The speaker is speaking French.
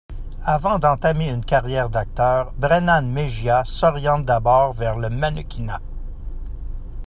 Avant d'entamer une carrière d'acteur, Brennan Mejia s'oriente d'abord vers le mannequinat.